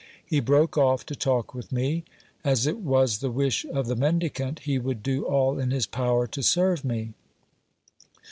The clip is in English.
He broke off to talk with me. As it was the wish of the mendicant, he would do all in his power to serve me.